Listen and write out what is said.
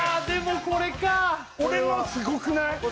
でもこれか俺のすごくない？